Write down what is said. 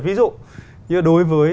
ví dụ như đối với